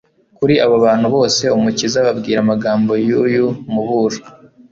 Kuri abo bantu bose, Umukiza ababwira amagambo y'uyu muburo